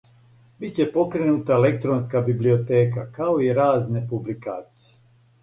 Биће покренута електронска библиотека, као и разне публикације.